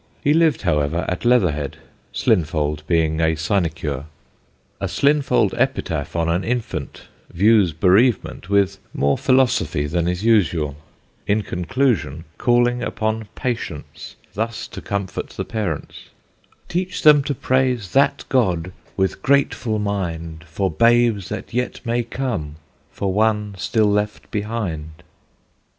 He lived, however, at Leatherhead, Slinfold being a sinecure. A Slinfold epitaph on an infant views bereavement with more philosophy than is usual: in conclusion calling upon Patience thus to comfort the parents: Teach them to praise that God with grateful mind For babes that yet may come, for one still left behind.